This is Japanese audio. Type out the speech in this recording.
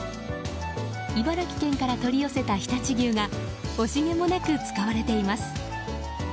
茨城県から取り寄せた常陸牛が惜しげもなく使われています。